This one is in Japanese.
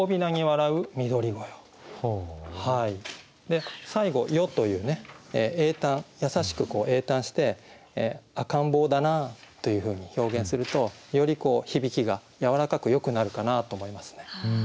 で最後「よ」という詠嘆優しく詠嘆して「赤ん坊だなあ」というふうに表現するとより響きがやわらかくよくなるかなと思いますね。